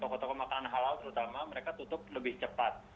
toko toko makanan halal terutama mereka tutup lebih cepat